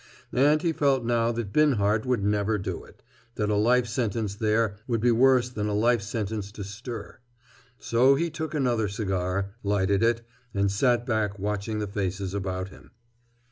And he felt now that Binhart could never do it, that a life sentence there would be worse than a life sentence to "stir." So he took another cigar, lighted it, and sat back watching the faces about him.